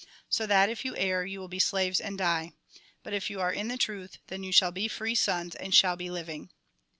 So that, if you err, you will be slaves and die. But if you are in the truth, then you shall be free sons, and shall be living.